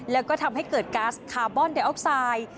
แล้วก็ทำให้เกิดก๊าซคาร์บอนไดออกไซด์